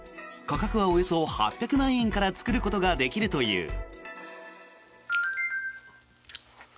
価格はおよそ８００万円から作ることができるという。